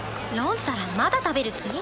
ったらまだ食べる気？